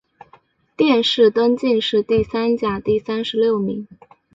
殿试登进士第三甲第三十六名。